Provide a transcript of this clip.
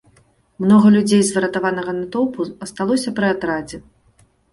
Многа людзей з выратаванага натоўпу асталося пры атрадзе.